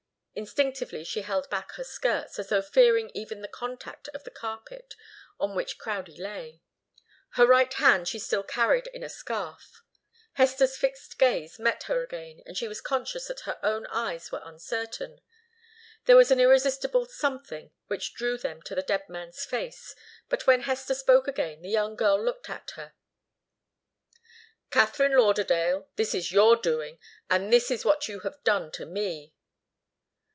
Instinctively she held back her skirts, as though fearing even the contact of the carpet on which Crowdie lay. Her right hand she still carried in a scarf. Hester's fixed gaze met her again, and she was conscious that her own eyes were uncertain. There was an irresistible something which drew them to the dead man's face. But when Hester spoke again the young girl looked at her. "Katharine Lauderdale, this is your doing, and this is what you have done to me."